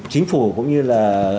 chính phủ cũng như là